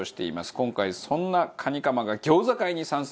今回そんなカニカマが餃子界に参戦。